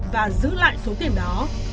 và giữ lại số tiền đó